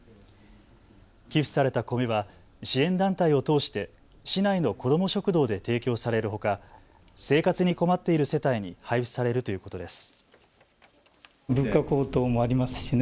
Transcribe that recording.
寄付された米は支援団体を通して市内の子ども食堂で提供されるほか生活に困っている世帯に配布されるということです。